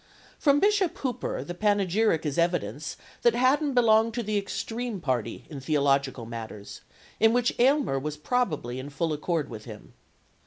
From Bishop Hooper the panegyric is evidence that Haddon belonged to the extreme party in theological matters, in which Aylmer was probably in full accord with him.